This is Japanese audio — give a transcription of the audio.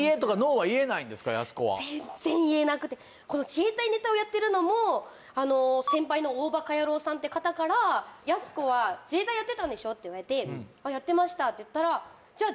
元々この自衛隊ネタをやってるのも先輩の大葉かやろうさんって方からやす子は自衛隊やってたんでしょ？って言われてやってましたって言ったらじゃあ